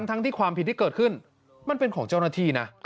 ทั้งที่ความผิดที่เกิดขึ้นมันเป็นของเจ้าหน้าที่นะ